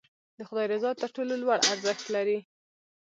د خدای رضا تر ټولو لوړ ارزښت لري.